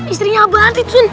istrinya abadit sun